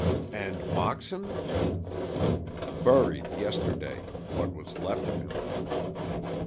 "And Moxon?" "Buried yesterday—what was left of him."